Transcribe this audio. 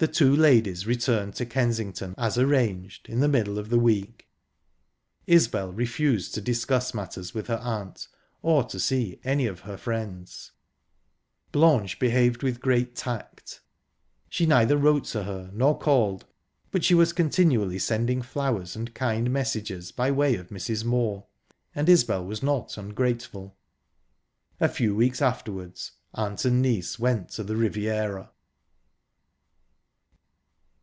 The two ladies returned to Kensington, as arranged, in the middle of the week. Isbel refused to discuss matters with her aunt, or to see any of her friends. Blanche behaved with great tact; she neither wrote to her, nor called, but she was continually sending flowers and kind messages by way of Mrs. Moor, and Isbel was not ungrateful...a few weeks afterwards, aunt and niece went to the Riviera.